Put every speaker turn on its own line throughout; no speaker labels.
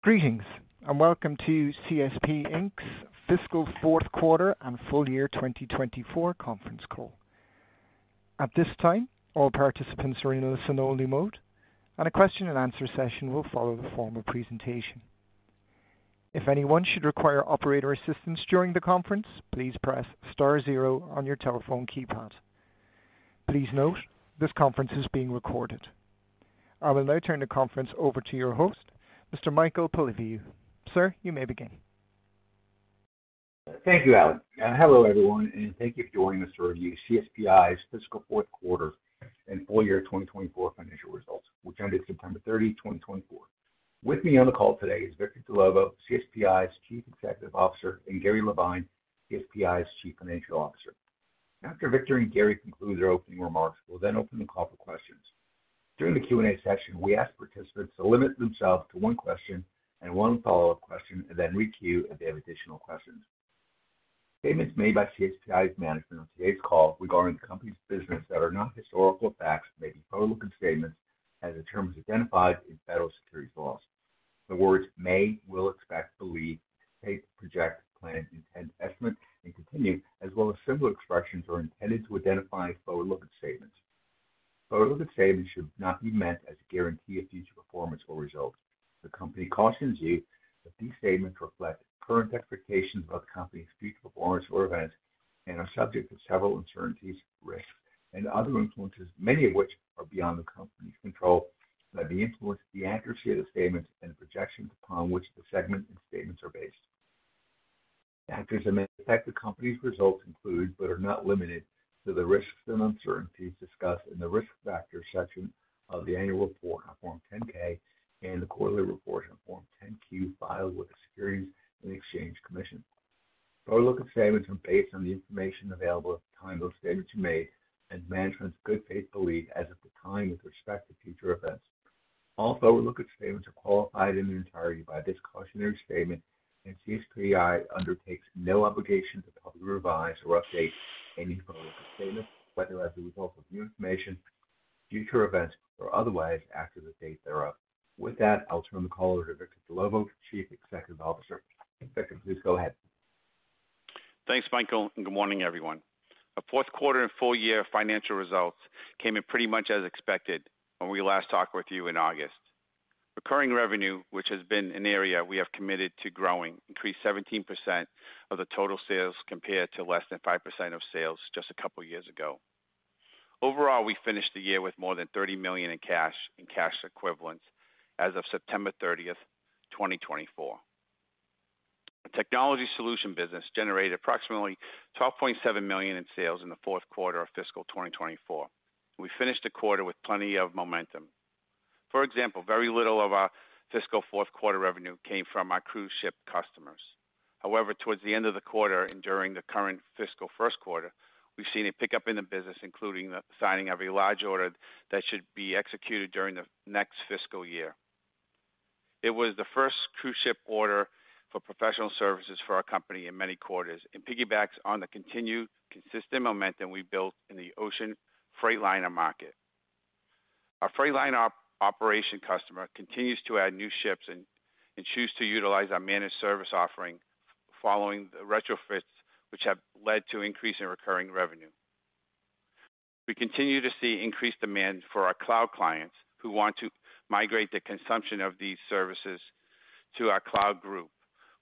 Greetings, and welcome to CSP Inc.'s Fiscal Fourth Quarter and Full Year 2024 Conference Call. At this time, all participants are in listen-only mode, and a question-and-answer session will follow the form of presentation. If anyone should require operator assistance during the conference, please press star zero on your telephone keypad. Please note, this conference is being recorded. I will now turn the conference over to your host, Mr. Michael Polyviou. Sir, you may begin.
Thank you, Alan. Hello, everyone, and thank you for joining us to review CSPi's Fiscal Fourth Quarter and Full Year 2024 financial results, which ended September 30, 2024. With me on the call today is Victor Dellovo, CSPi's Chief Executive Officer, and Gary Levine, CSPi's Chief Financial Officer. After Victor and Gary conclude their opening remarks, we'll then open the call for questions. During the Q&A session, we ask participants to limit themselves to one question and one follow-up question, and then re-queue if they have additional questions. Statements made by CSPi's management on today's call regarding the company's business that are not historical facts may be forward-looking statements as the terms identified in federal securities laws. The words "may," "will," "expect," "believe," "predict," "project," "plan," "intend," "estimate," and "continue," as well as similar expressions, are intended to identify forward-looking statements. Forward-looking statements should not be meant as a guarantee of future performance or results. The company cautions you that these statements reflect current expectations about the company's future performance or events and are subject to several uncertainties, risks, and other influences, many of which are beyond the company's control, that may influence the accuracy of the statements and the projections upon which the segment and statements are based. Factors that may affect the company's results include, but are not limited to, the risks and uncertainties discussed in the risk factors section of the annual report, Form 10-K, and the quarterly report, Form 10-Q, filed with the Securities and Exchange Commission. Forward-looking statements are based on the information available at the time those statements are made and management's good faith belief as of the time with respect to future events. All forward-looking statements are qualified in their entirety by this cautionary statement, and CSPi undertakes no obligation to publicly revise or update any forward-looking statements, whether as a result of new information, future events, or otherwise after the date thereof. With that, I'll turn the call over to Victor Dellovo, Chief Executive Officer. Victor, please go ahead.
Thanks, Michael, and good morning, everyone. Our fourth quarter and full year financial results came in pretty much as expected when we last talked with you in August. Recurring revenue, which has been an area we have committed to growing, increased 17% of the total sales compared to less than 5% of sales just a couple of years ago. Overall, we finished the year with more than $30 million in cash and cash equivalents as of September 30, 2024. Our Technology Solutions business generated approximately $12.7 million in sales in the fourth quarter of fiscal 2024. We finished the quarter with plenty of momentum. For example, very little of our fiscal fourth quarter revenue came from our cruise ship customers. However, towards the end of the quarter and during the current fiscal first quarter, we've seen a pickup in the business, including signing a very large order that should be executed during the next fiscal year. It was the first cruise ship order for professional services for our company in many quarters, and piggybacks on the continued consistent momentum we built in the ocean freight liner market. Our freight liner operation customer continues to add new ships and choose to utilize our managed service offering following the retrofits, which have led to increasing recurring revenue. We continue to see increased demand for our cloud clients who want to migrate the consumption of these services to our cloud group.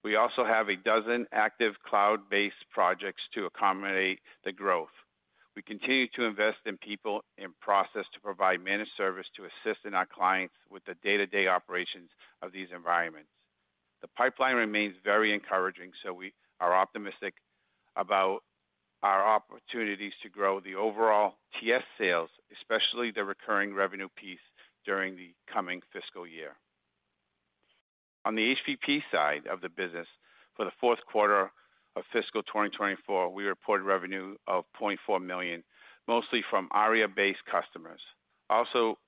We also have a dozen active cloud-based projects to accommodate the growth. We continue to invest in people and process to provide managed service to assist our clients with the day-to-day operations of these environments. The pipeline remains very encouraging, so we are optimistic about our opportunities to grow the overall TS sales, especially the recurring revenue piece during the coming fiscal year. On the HPP side of the business, for the fourth quarter of fiscal 2024, we reported revenue of $0.4 million, mostly from ARIA-based customers. Also,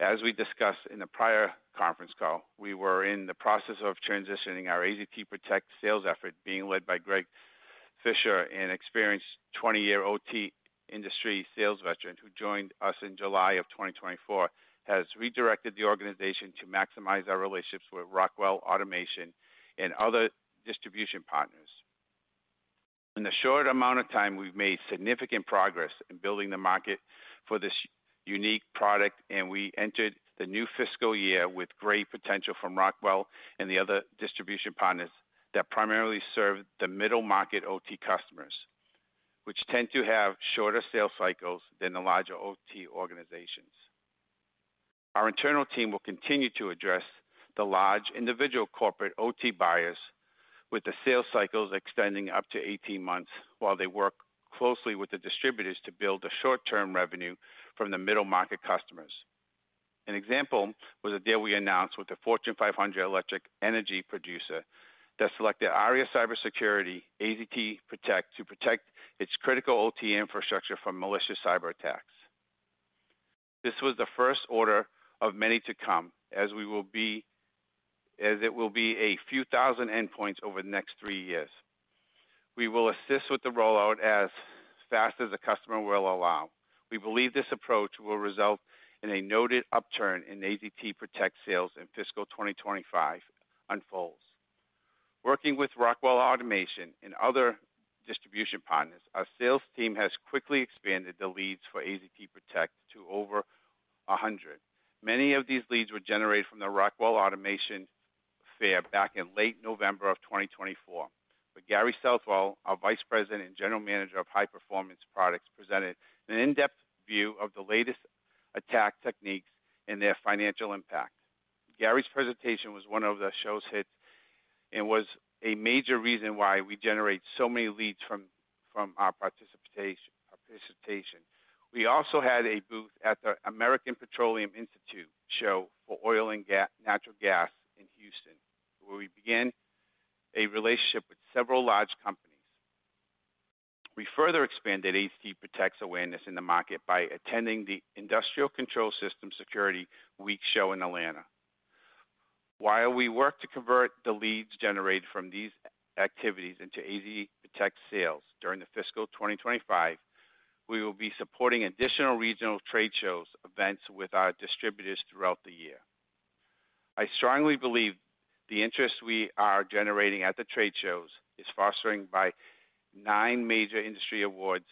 as we discussed in the prior conference call, we were in the process of transitioning our AZT PROTECT sales effort, being led by Greg Fisher, an experienced 20-year OT industry sales veteran who joined us in July of 2024, has redirected the organization to maximize our relationships with Rockwell Automation and other distribution partners. In the short amount of time, we've made significant progress in building the market for this unique product, and we entered the new fiscal year with great potential from Rockwell and the other distribution partners that primarily serve the middle market OT customers, which tend to have shorter sales cycles than the larger OT organizations. Our internal team will continue to address the large individual corporate OT buyers, with the sales cycles extending up to 18 months while they work closely with the distributors to build a short-term revenue from the middle market customers. An example was a deal we announced with the Fortune 500 electric energy producer that selected ARIA Cybersecurity AZT PROTECT to protect its critical OT infrastructure from malicious cyberattacks. This was the first order of many to come, as it will be a few thousand endpoints over the next three years. We will assist with the rollout as fast as the customer will allow. We believe this approach will result in a noted upturn in AZT PROTECT sales in fiscal 2025 unfolds. Working with Rockwell Automation and other distribution partners, our sales team has quickly expanded the leads for AZT PROTECT to over 100. Many of these leads were generated from the Rockwell Automation Fair back in late November of 2024, but Gary Southwell, our Vice President and General Manager of High Performance Products, presented an in-depth view of the latest attack techniques and their financial impact. Gary's presentation was one of the show's hits and was a major reason why we generate so many leads from our participation. We also had a booth at the American Petroleum Institute show for oil and natural gas in Houston, where we began a relationship with several large companies. We further expanded AZT PROTECT's awareness in the market by attending the Industrial Control System Security Week show in Atlanta. While we work to convert the leads generated from these activities into AZT PROTECT sales during the fiscal 2025, we will be supporting additional regional trade shows events with our distributors throughout the year. I strongly believe the interest we are generating at the trade shows is fostered by nine major industry awards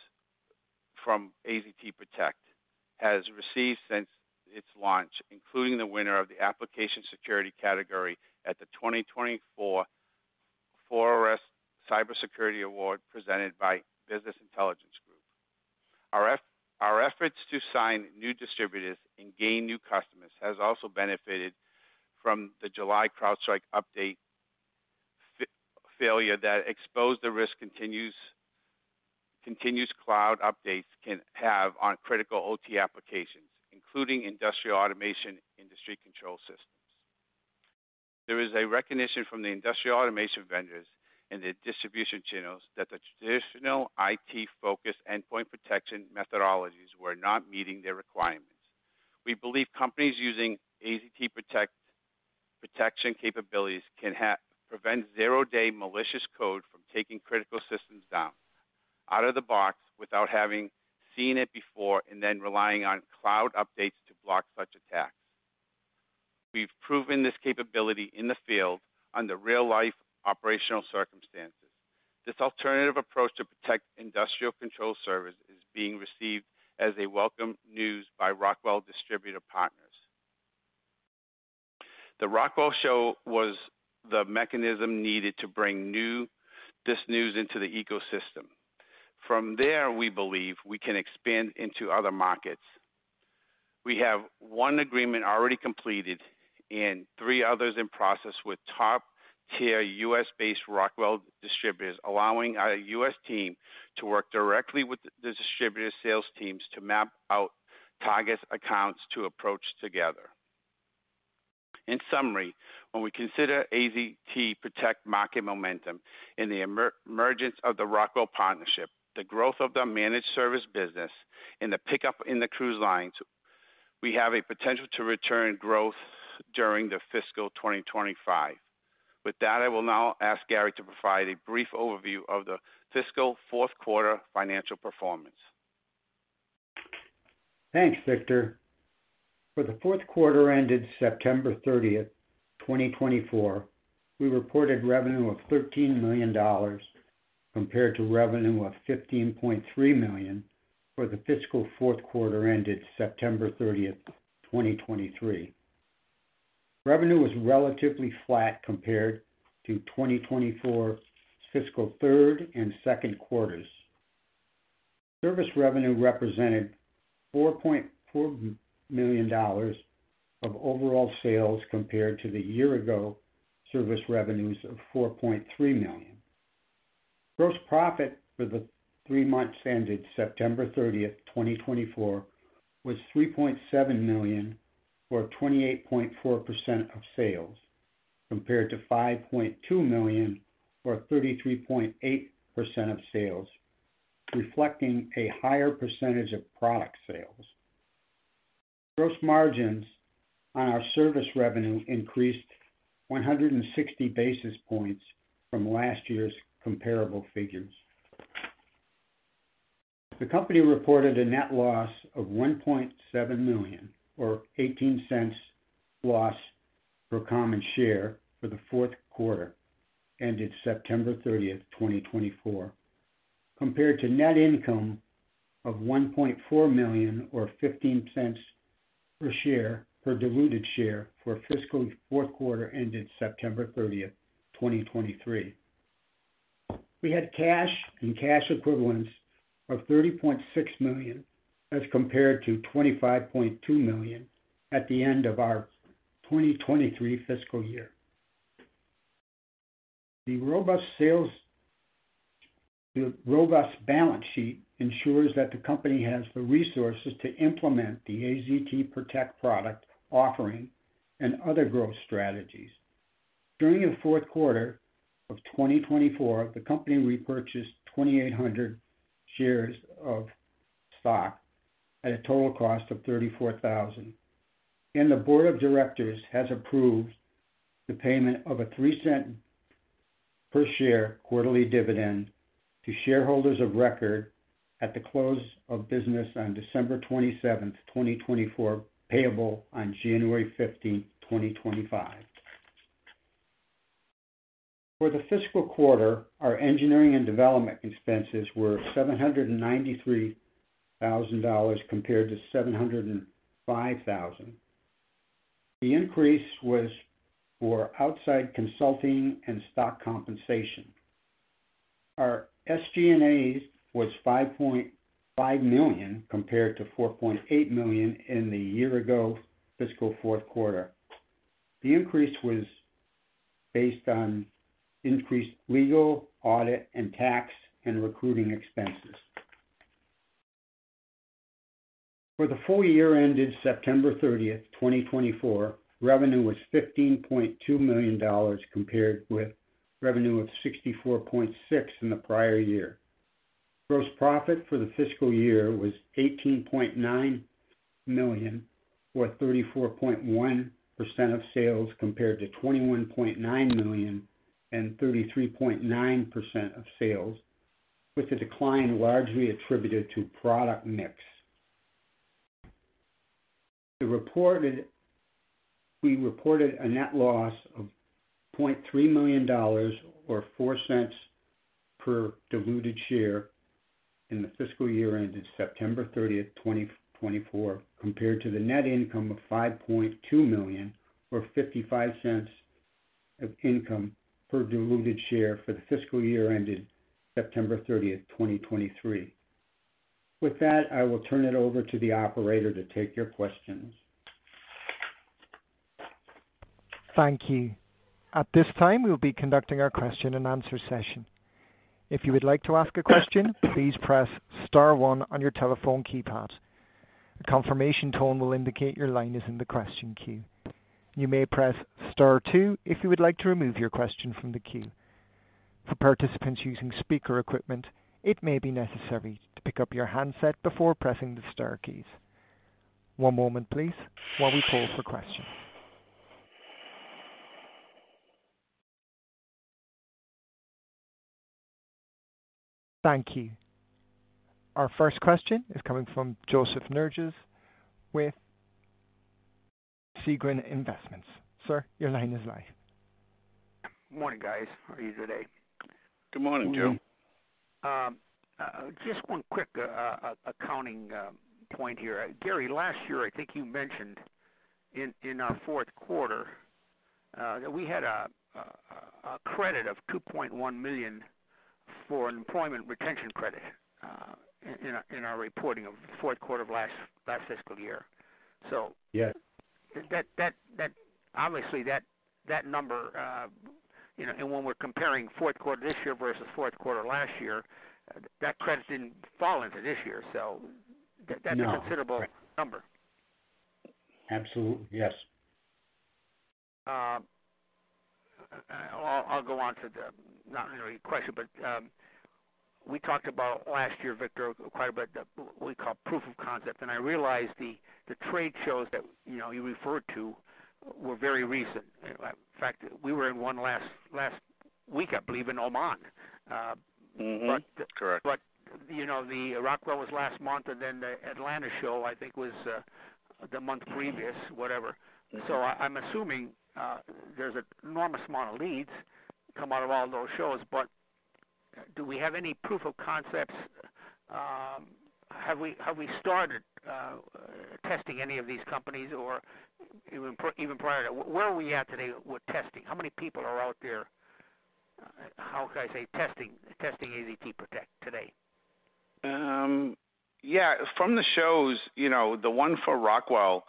from AZT PROTECT, which has received since its launch, including the winner of the Application Security category at the 2024 Fortress Cybersecurity Award presented by Business Intelligence Group. Our efforts to sign new distributors and gain new customers have also benefited from the July CrowdStrike update failure that exposed the risk continuous cloud updates can have on critical OT applications, including industrial automation industry control systems. There is a recognition from the industrial automation vendors and the distribution channels that the traditional IT-focused endpoint protection methodologies were not meeting their requirements. We believe companies using AZT PROTECT protection capabilities can prevent zero-day malicious code from taking critical systems down out of the box without having seen it before and then relying on cloud updates to block such attacks. We've proven this capability in the field under real-life operational circumstances. This alternative approach to protect industrial control systems is being received as welcome news by Rockwell distributor partners. The Rockwell show was the mechanism needed to bring this news into the ecosystem. From there, we believe we can expand into other markets. We have one agreement already completed and three others in process with top-tier U.S.-based Rockwell distributors, allowing our U.S. team to work directly with the distributor sales teams to map out target accounts to approach together. In summary, when we consider AZT PROTECT market momentum in the emergence of the Rockwell partnership, the growth of the managed service business, and the pickup in the cruise lines, we have a potential to return growth during the fiscal 2025. With that, I will now ask Gary to provide a brief overview of the fiscal fourth quarter financial performance.
Thanks, Victor. For the fourth quarter ended September 30, 2024, we reported revenue of $13 million compared to revenue of $15.3 million for the fiscal fourth quarter ended September 30, 2023. Revenue was relatively flat compared to 2024's fiscal third and second quarters. Service revenue represented $4.4 million of overall sales compared to the year-ago service revenues of $4.3 million. Gross profit for the three months ended September 30, 2024, was $3.7 million for 28.4% of sales compared to $5.2 million for 33.8% of sales, reflecting a higher percentage of product sales. Gross margins on our service revenue increased 160 basis points from last year's comparable figures. The company reported a net loss of $1.7 million, or $0.18 loss per common share for the fourth quarter ended September 30, 2024, compared to net income of $1.4 million, or $0.15 per share per diluted share for fiscal fourth quarter ended September 30, 2023. We had cash and cash equivalents of $30.6 million as compared to $25.2 million at the end of our 2023 fiscal year. The robust balance sheet ensures that the company has the resources to implement the AZT PROTECT product offering and other growth strategies. During the fourth quarter of 2024, the company repurchased 2,800 shares of stock at a total cost of $34,000. And the board of directors has approved the payment of a $0.03 per share quarterly dividend to shareholders of record at the close of business on December 27, 2024, payable on January 15, 2025. For the fiscal quarter, our engineering and development expenses were $793,000 compared to $705,000. The increase was for outside consulting and stock compensation. Our SG&A was $5.5 million compared to $4.8 million in the year-ago fiscal fourth quarter. The increase was based on increased legal, audit, and tax and recruiting expenses. For the full year ended September 30, 2024, revenue was $15.2 million compared with revenue of $64.6 million in the prior year. Gross profit for the fiscal year was $18.9 million, or 34.1% of sales compared to $21.9 million and 33.9% of sales, with the decline largely attributed to product mix. We reported a net loss of $0.3 million, or $0.04 per diluted share in the fiscal year ended September 30, 2024, compared to the net income of $5.2 million, or $0.55 of income per diluted share for the fiscal year ended September 30, 2023. With that, I will turn it over to the operator to take your questions.
Thank you. At this time, we'll be conducting our question-and-answer session. If you would like to ask a question, please press star one on your telephone keypad. A confirmation tone will indicate your line is in the question queue. You may press star two if you would like to remove your question from the queue. For participants using speaker equipment, it may be necessary to pick up your handset before pressing the star keys. One moment, please, while we pull up your question. Thank you. Our first question is coming from Joseph Nerges with Segren Investments. Sir, your line is live.
Morning, guys. How are you today?
Good morning, Joe.
Just one quick accounting point here. Gary, last year, I think you mentioned in our fourth quarter that we had a credit of $2.1 million for an employment retention credit in our reporting of the fourth quarter of last fiscal year. So obviously, that number, and when we're comparing fourth quarter this year versus fourth quarter last year, that credit didn't fall into this year. So that's a considerable number.
Absolutely. Yes.
I'll go on, not to your question, but we talked about last year, Victor, quite a bit of what we call proof of concept. And I realized the trade shows that you referred to were very recent. In fact, we were in one last week, I believe, in Oman.
Correct.
But the Rockwell was last month, and then the Atlanta show, I think, was the month previous, whatever. So I'm assuming there's an enormous amount of leads come out of all those shows. But do we have any proof of concepts? Have we started testing any of these companies or even prior to where are we at today with testing? How many people are out there? How can I say, testing AZT PROTECT today?
Yeah. From the shows, the one for Rockwell,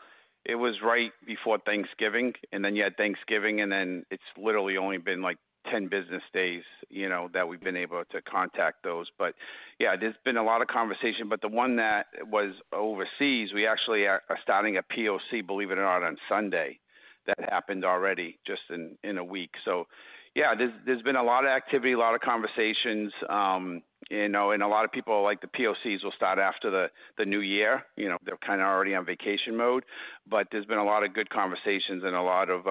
it was right before Thanksgiving, and then you had Thanksgiving, and then it's literally only been like 10 business days that we've been able to contact those. But yeah, there's been a lot of conversation. But the one that was overseas, we actually are starting a POC, believe it or not, on Sunday. That happened already just in a week. So yeah, there's been a lot of activity, a lot of conversations, and a lot of people like the POCs will start after the new year. They're kind of already on vacation mode. But there's been a lot of good conversations and a lot of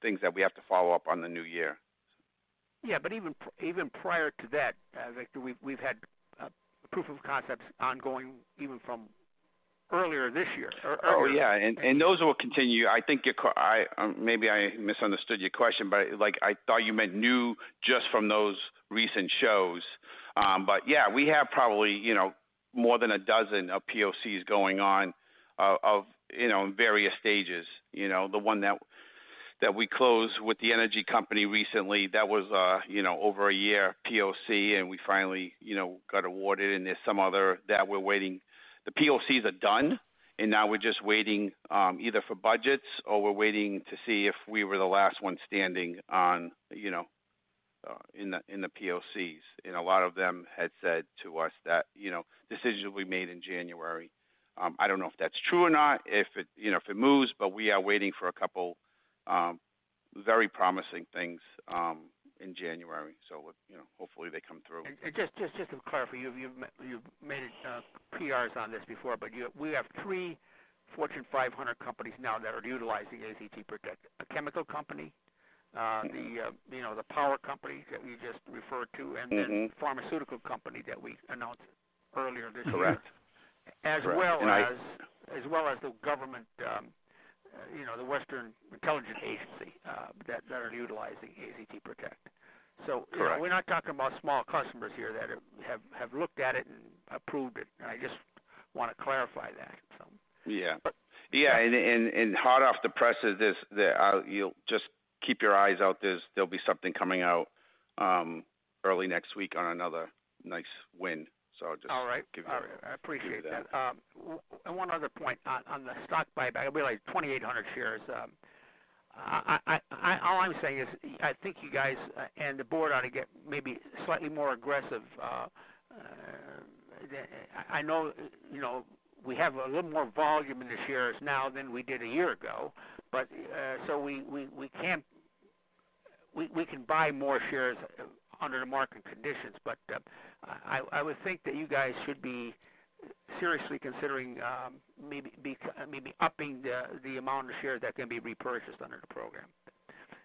things that we have to follow up on the new year.
Yeah, but even prior to that, Victor, we've had proof of concepts ongoing even from earlier this year.
Oh, yeah, and those will continue. I think maybe I misunderstood your question, but I thought you meant new just from those recent shows. But yeah, we have probably more than a dozen POCs going on in various stages. The one that we closed with the energy company recently, that was over a year POC, and we finally got awarded. And there's some other that we're waiting. The POCs are done, and now we're just waiting either for budgets or we're waiting to see if we were the last one standing in the POCs. And a lot of them had said to us that decisions will be made in January. I don't know if that's true or not, if it moves, but we are waiting for a couple very promising things in January. So hopefully, they come through.
Just to clarify, you've made PRs on this before, but we have three Fortune 500 companies now that are utilizing AZT PROTECT: a chemical company, the power company that you just referred to, and then the pharmaceutical company that we announced earlier this year, as well as the government, the Western intelligence agency that are utilizing AZT PROTECT. So we're not talking about small customers here that have looked at it and approved it. I just want to clarify that.
And hot off the press is this, just keep your eyes out. There'll be something coming out early next week on another nice win. So just give you an update.
All right. All right. I appreciate that. And one other point on the stock buyback, I realize 2,800 shares. All I'm saying is I think you guys and the board ought to get maybe slightly more aggressive. I know we have a little more volume in the shares now than we did a year ago. So we can buy more shares under the market conditions. But I would think that you guys should be seriously considering maybe upping the amount of shares that can be repurchased under the program.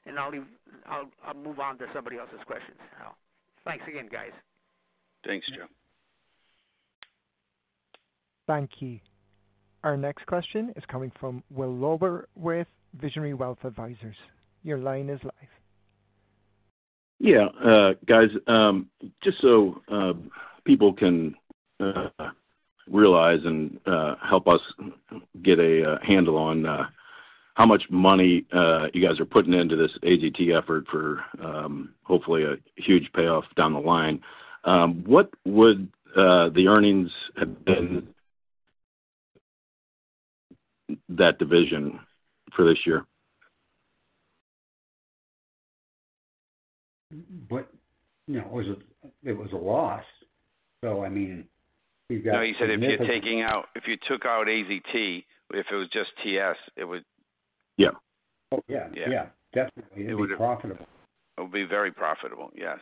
And I'll move on to somebody else's questions. Thanks again, guys.
Thanks, Joe.
Thank you. Our next question is coming from Will Lauber with Visionary Wealth Advisors. Your line is live.
Yeah. Guys, just so people can realize and help us get a handle on how much money you guys are putting into this AZT effort for hopefully a huge payoff down the line, what would the earnings have been that division for this year?
But it was a loss. So I mean, we've got.
No, you said if you took out AZT, if it was just TS, it would.
Yeah.
Oh, yeah. Yeah. Definitely. It would be profitable.
It would be very profitable. Yes.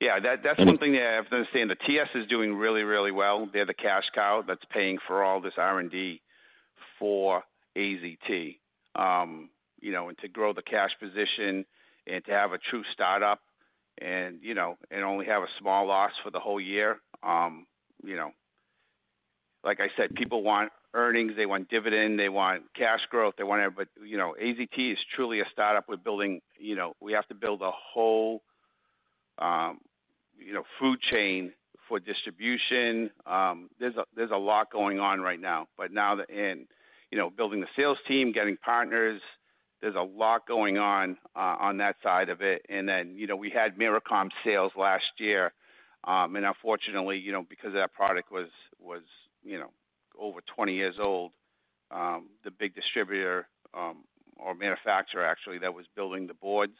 Yeah. That's one thing that I have to understand. The TS is doing really, really well. They're the cash cow that's paying for all this R&D for AZT. And to grow the cash position and to have a true startup and only have a small loss for the whole year. Like I said, people want earnings. They want dividend. They want cash growth. They want everybody. AZT is truly a startup. We have to build a whole food chain for distribution. There's a lot going on right now. But now they're in building the sales team, getting partners. There's a lot going on on that side of it. And then we had Myricom sales last year. And unfortunately, because that product was over 20 years old, the big distributor or manufacturer, actually, that was building the boards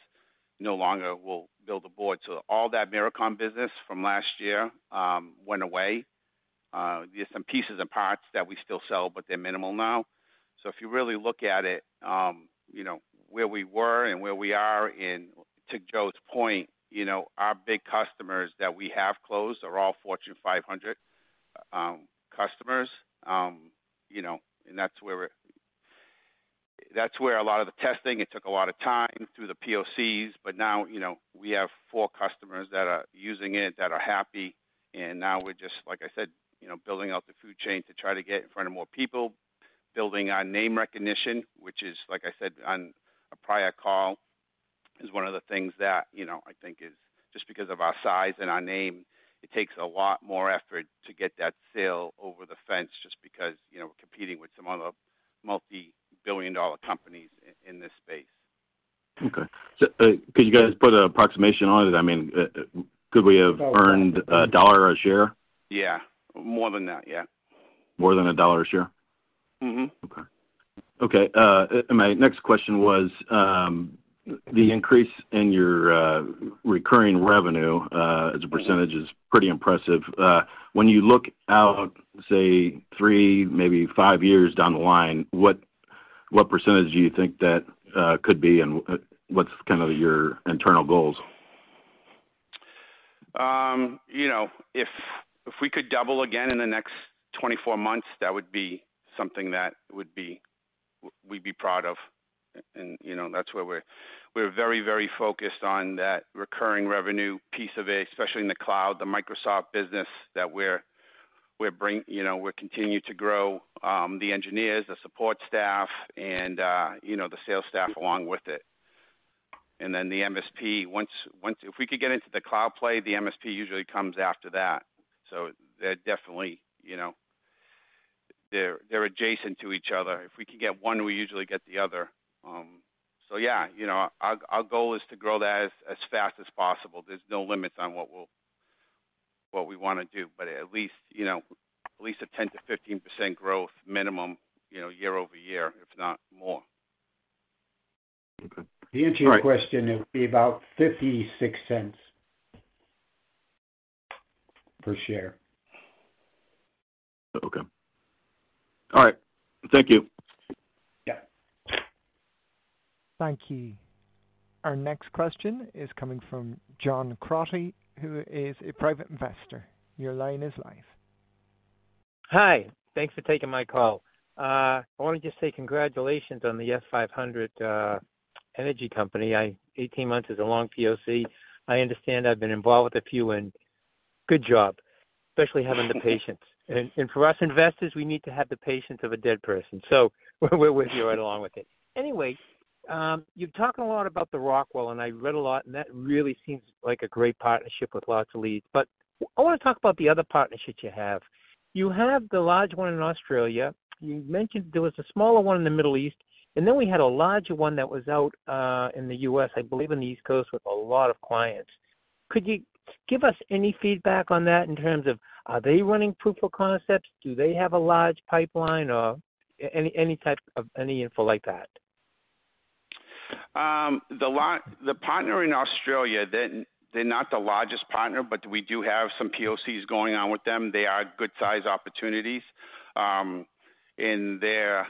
no longer will build the boards. So all that Myricom business from last year went away. There's some pieces and parts that we still sell, but they're minimal now. So if you really look at it, where we were and where we are, and to Joe's point, our big customers that we have closed are all Fortune 500 customers. And that's where a lot of the testing, it took a lot of time through the POCs. But now we have four customers that are using it that are happy. Now we're just, like I said, building out the food chain to try to get in front of more people, building our name recognition, which is, like I said on a prior call, is one of the things that I think is just because of our size and our name. It takes a lot more effort to get that sale over the fence just because we're competing with some other multi-billion-dollar companies in this space.
Okay. So could you guys put an approximation on it? I mean, could we have earned $1 a share?
Yeah. More than that. Yeah.
More than $1 a share?
Mm-hmm.
Okay. And my next question was the increase in your recurring revenue as a percentage is pretty impressive. When you look out, say, three, maybe five years down the line, what percentage do you think that could be? And what's kind of your internal goals?
If we could double again in the next 24 months, that would be something that we'd be proud of. And that's where we're very, very focused on that recurring revenue piece of it, especially in the cloud, the Microsoft business that we're continuing to grow, the engineers, the support staff, and the sales staff along with it. And then the MSP, if we could get into the cloud play, the MSP usually comes after that. So they're definitely adjacent to each other. If we can get one, we usually get the other. So yeah, our goal is to grow that as fast as possible. There's no limits on what we want to do, but at least a 10%-15% growth minimum year-over-year, if not more.
Okay.
To answer your question, it would be about $0.56 per share.
Okay. All right. Thank you.
Yeah.
Thank you. Our next question is coming from John Crotty, who is a private investor. Your line is live. Hi. Thanks for taking my call. I want to just say congratulations on the F500 energy company, 18 months is a long POC. I understand I've been involved with a few, and good job, especially having the patience, and for us investors, we need to have the patience of a dead person, so we're with you right along with it. Anyway, you've talked a lot about the Rockwell, and I read a lot, and that really seems like a great partnership with lots of leads, but I want to talk about the other partnerships you have. You have the large one in Australia. You mentioned there was a smaller one in the Middle East, and then we had a larger one that was out in the U.S., I believe, on the East Coast with a lot of clients. Could you give us any feedback on that in terms of, are they running proof of concepts? Do they have a large pipeline or any type of info like that?
The partner in Australia, they're not the largest partner, but we do have some POCs going on with them. They are good-sized opportunities. And they're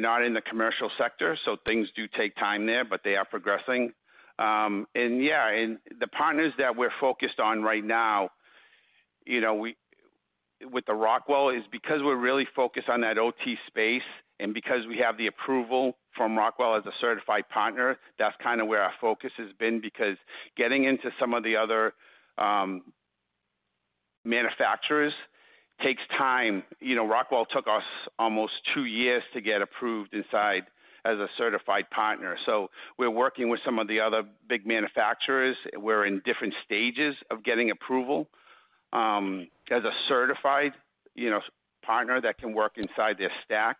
not in the commercial sector, so things do take time there, but they are progressing. And yeah, and the partners that we're focused on right now with the Rockwell is because we're really focused on that OT space and because we have the approval from Rockwell as a certified partner, that's kind of where our focus has been because getting into some of the other manufacturers takes time. Rockwell took us almost two years to get approved inside as a certified partner. So we're working with some of the other big manufacturers. We're in different stages of getting approval as a certified partner that can work inside their stack.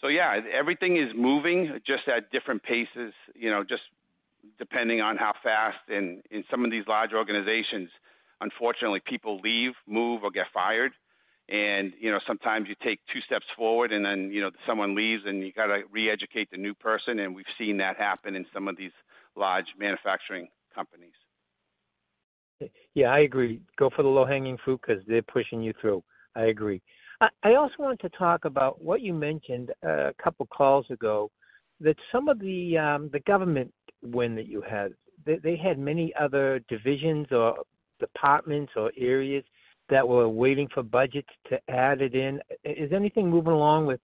So yeah, everything is moving just at different paces, just depending on how fast. And in some of these large organizations, unfortunately, people leave, move, or get fired. And sometimes you take two steps forward, and then someone leaves, and you got to re-educate the new person. And we've seen that happen in some of these large manufacturing companies. Yeah. I agree. Go for the low-hanging fruit because they're pushing you through. I agree. I also want to talk about what you mentioned a couple of calls ago, that some of the government win that you had, they had many other divisions or departments or areas that were waiting for budgets to add it in. Is anything moving along with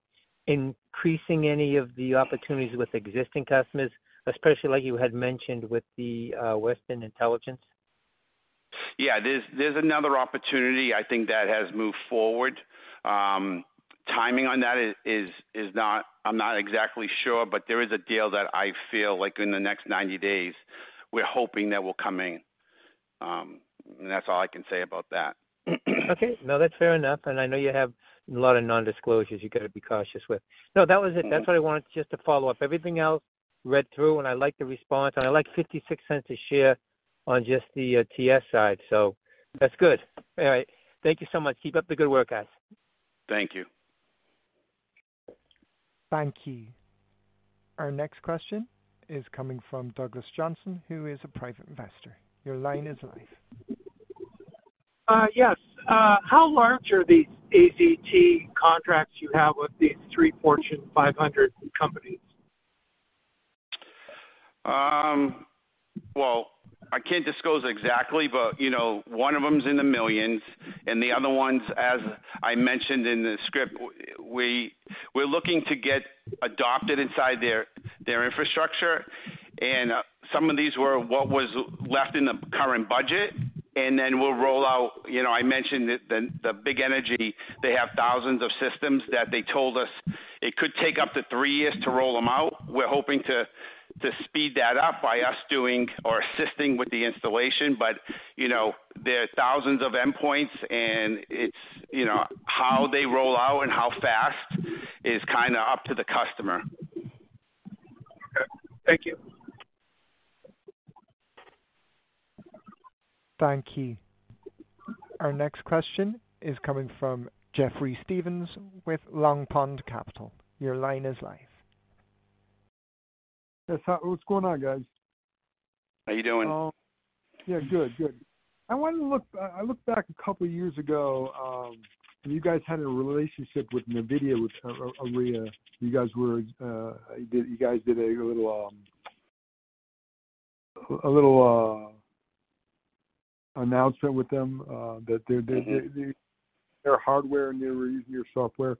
increasing any of the opportunities with existing customers, especially like you had mentioned with the Western intelligence? Yeah. There's another opportunity I think that has moved forward. Timing on that, I'm not exactly sure, but there is a deal that I feel like in the next 90 days, we're hoping that will come in, and that's all I can say about that. Okay. No, that's fair enough. And I know you have a lot of non-disclosures you got to be cautious with. No, that was it. That's what I wanted just to follow up. Everything else read through, and I liked the response. And I liked $0.56 a share on just the TS side. So that's good. All right. Thank you so much. Keep up the good work, guys. Thank you.
Thank you. Our next question is coming from Douglas Johnson, who is a private investor. Your line is live. Yes. How large are these AZT contracts you have with these three Fortune 500 companies?
I can't disclose exactly, but one of them is in the millions. The other ones, as I mentioned in the script, we're looking to get adopted inside their infrastructure. Some of these were what was left in the current budget, and then we'll roll out. I mentioned the big energy. They have thousands of systems that they told us it could take up to three years to roll them out. We're hoping to speed that up by us doing or assisting with the installation, but there are thousands of endpoints, and how they roll out and how fast is kind of up to the customer. Okay. Thank you.
Thank you. Our next question is coming from Jeffrey Stevens with Long Pond Capital. Your line is live.
What's going on, guys?
How are you doing?
Yeah. Good. Good. I looked back a couple of years ago. You guys had a relationship with NVIDIA, with ARIA. You guys did a little announcement with them that their hardware and their software.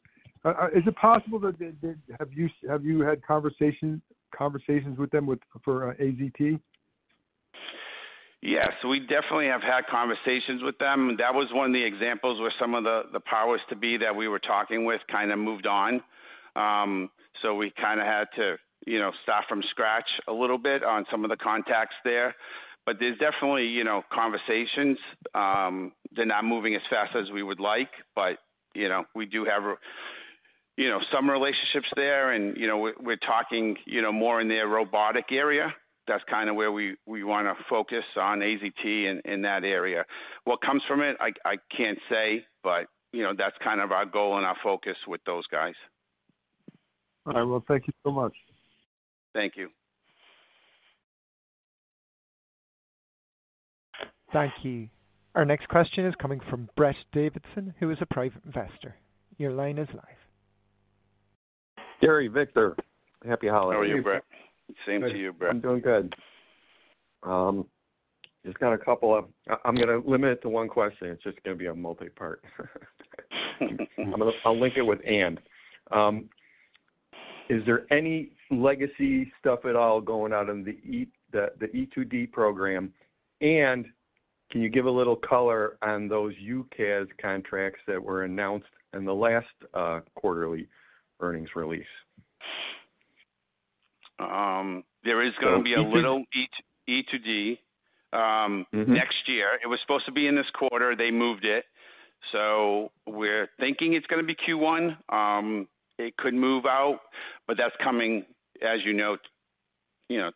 Is it possible that have you had conversations with them for AZT?
Yes. We definitely have had conversations with them. That was one of the examples where some of the powers that be that we were talking with kind of moved on. So we kind of had to start from scratch a little bit on some of the contacts there. But there's definitely conversations. They're not moving as fast as we would like, but we do have some relationships there. And we're talking more in their robotic area. That's kind of where we want to focus on AZT in that area. What comes from it, I can't say, but that's kind of our goal and our focus with those guys.
All right, well, thank you so much.
Thank you.
Thank you. Our next question is coming from Brett Davidson, who is a private investor. Your line is live. Gary, Victor. Happy holidays.
How are you, Brett? Same to you, Brett. I'm doing good. I'm going to limit it to one question. It's just going to be a multi-part. I'll link it with "and. Is there any legacy stuff at all going on in the E-2D program? And can you give a little color on those UCaaS contracts that were announced in the last quarterly earnings release? There is going to be a little E-2D next year. It was supposed to be in this quarter. They moved it. So we're thinking it's going to be Q1. It could move out, but that's coming, as you know,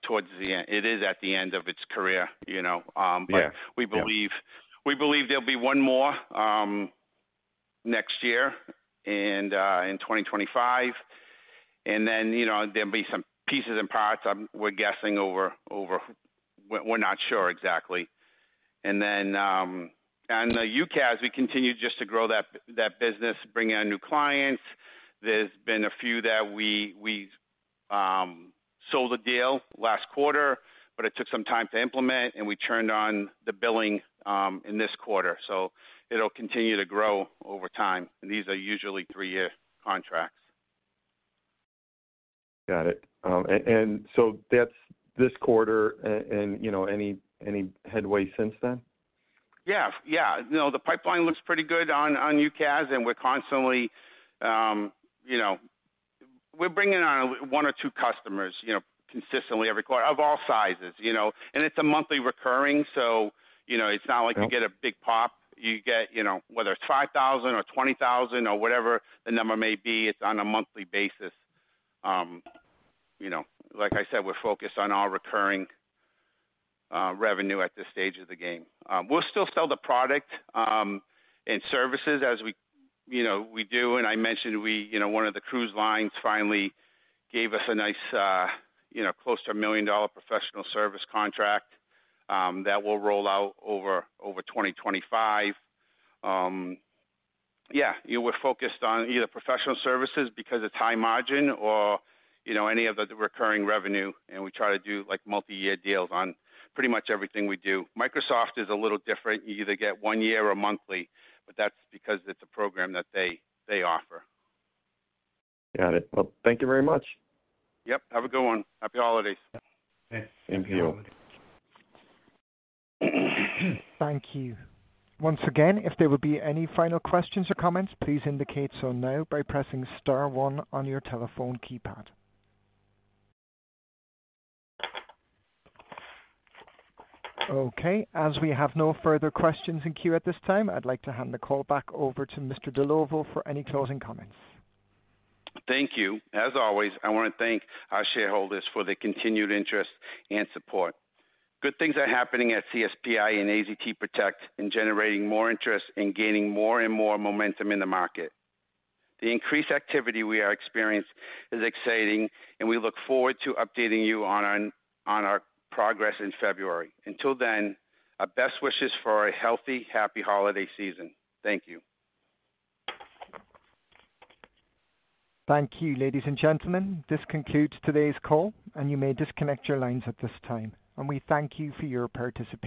towards the end. It is at the end of its career. But we believe there'll be one more next year and in 2025. And then there'll be some pieces and parts. We're guessing. We're not sure exactly. And then on the UCaaS, we continue just to grow that business, bring in new clients. There's been a few that we sold a deal last quarter, but it took some time to implement, and we turned on the billing in this quarter. So it'll continue to grow over time. And these are usually three-year contracts. Got it. And so that's this quarter and any headway since then? Yeah. No, the pipeline looks pretty good on UCaaS, and we're constantly bringing on one or two customers consistently every quarter of all sizes. And it's a monthly recurring, so it's not like you get a big pop. You get whether it's $5,000 or $20,000 or whatever the number may be. It's on a monthly basis. Like I said, we're focused on our recurring revenue at this stage of the game. We'll still sell the product and services as we do. And I mentioned one of the cruise lines finally gave us a nice close to a $1 million professional service contract that will roll out over 2025. Yeah. We're focused on either professional services because of high margin or any of the recurring revenue. And we try to do multi-year deals on pretty much everything we do. Microsoft is a little different. You either get one year or monthly, but that's because it's a program that they offer. Got it. Well, thank you very much. Yep. Have a good one. Happy holidays. Thanks. Same to you.
Thank you. Once again, if there would be any final questions or comments, please indicate so now by pressing star one on your telephone keypad. Okay. As we have no further questions in queue at this time, I'd like to hand the call back over to Mr. Dellovo for any closing comments.
Thank you. As always, I want to thank our shareholders for their continued interest and support. Good things are happening at CSPi and AZT PROTECT in generating more interest and gaining more and more momentum in the market. The increased activity we are experiencing is exciting, and we look forward to updating you on our progress in February. Until then, our best wishes for a healthy, happy holiday season. Thank you.
Thank you, ladies and gentlemen. This concludes today's call, and you may disconnect your lines at this time. And we thank you for your participation.